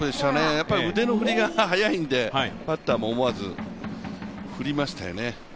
やっぱり腕の振りが速いんでバッターも思わず振りましたよね。